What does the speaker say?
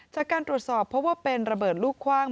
จากการตรวจสอบเพราะว่าเป็นระเบิดลูกคว่าง